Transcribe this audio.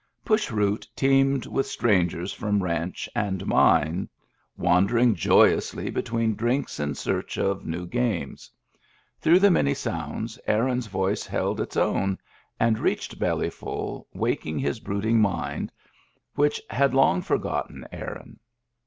Push Root teemed with strangers from ranch and mine, wandering joyously between drinks in search of new games. Through the many sounds Aaron's voice held its own, and, reaching Belly ful, waked his brooding mind, which had long for gotten Aaron.